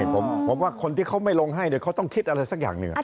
ผมว่าคนที่เขาไม่ลงให้เขาต้องคิดอะไรสักอย่างหนึ่ง